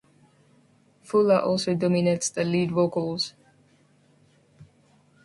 Fuller also dominates the lead vocals.